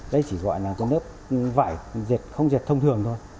đây chỉ gọi là một lớp vải dệt không dệt thông thường thôi